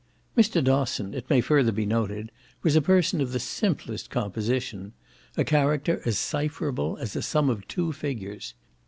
Mr. Dosson, it may further be noted, was a person of the simplest composition, a character as cipherable as a sum of two figures.